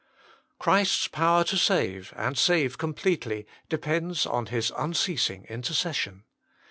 Christ s power to save, and save completely, depends on His unceasing intercession.